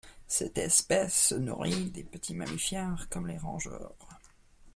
Cette espèce se nourrit de petits mammifères comme les rongeurs.